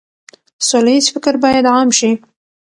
سوله ييز فکر بايد عام شي.